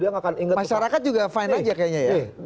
masyarakat juga fine aja kayaknya ya